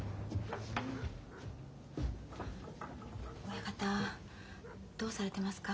親方どうされてますか？